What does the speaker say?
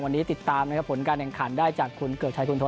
วันนี้ติดตามการแห่งขันได้จากคุณเกิร์กชัยคุณโทร